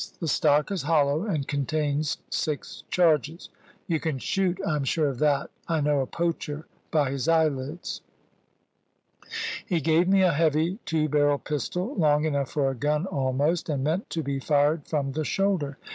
The stock is hollow, and contains six charges. You can shoot; I am sure of that. I know a poacher by his eyelids." He gave me a heavy two barrelled pistol, long enough for a gun almost, and meant to be fired from the shoulder.